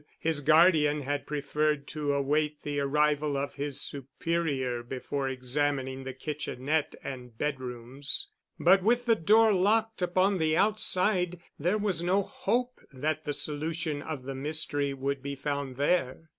His guardian had preferred to await the arrival of his superior before examining the kitchenette and bed rooms, but with the door locked upon the outside there was no hope that the solution of the mystery would be found there.